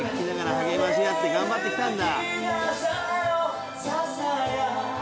励まし合って頑張ったんだ。